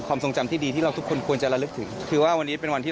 ทรงจำที่ดีที่เราทุกคนควรจะระลึกถึงคือว่าวันนี้เป็นวันที่